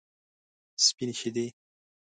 سپینې شیدې.